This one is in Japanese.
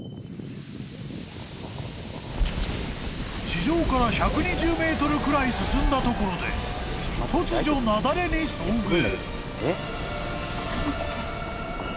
［地上から１２０ｍくらい進んだところで突如雪崩に遭遇］